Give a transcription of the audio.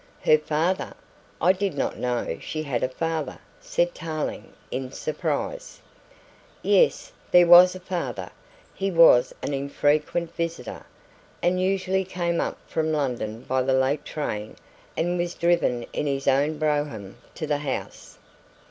"Her father? I did not know she had a father," said Tarling in surprise. Yes, there was a father. He was an infrequent visitor, and usually came up from London by the late train and was driven in his own brougham to the house.